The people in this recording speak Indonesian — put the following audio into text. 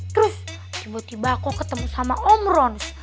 terus tiba tiba kok ketemu sama om rons